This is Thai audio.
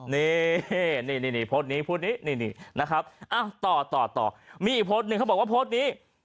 นี่โพสต์นี้โพสต์นี้ต่อมีอีกโพสต์นึงเขาบอกว่าโพสต์นี้